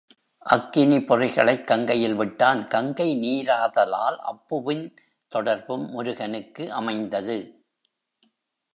அக்கினி பொறிகளைக் கங்கையில் விட்டான், கங்கை நீராதலால் அப்புவின் தொடர்பும் முருகனுக்கு அமைந்தது.